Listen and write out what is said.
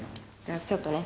ちょっとね。